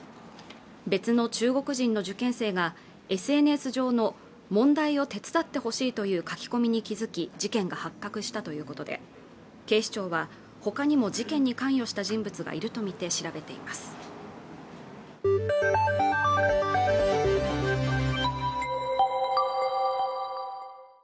別の中国人の受験生がＳＮＳ上の問題を手伝ってほしいという書き込みに気づき事件が発覚したということで警視庁はほかにも事件に関与した人物がいるとみて調べています